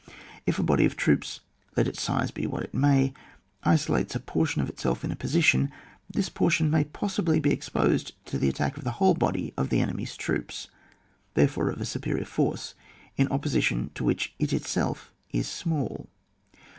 If a body of troops, let its size be what it may, isolates a por tion of itself in a position, thisx>ortion may possibly be exposed to the attack of the whole body of the enemy's troops, there fore of a superior force, in opposition to which it is itself small.